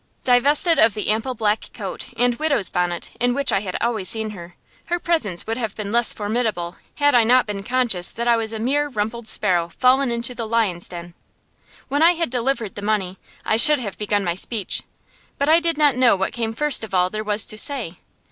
Divested of the ample black coat and widow's bonnet in which I had always seen her, her presence would have been less formidable had I not been conscious that I was a mere rumpled sparrow fallen into the lion's den. When I had delivered the money, I should have begun my speech; but I did not know what came first of all there was to say.